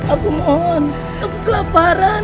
aku mohon aku kelaparan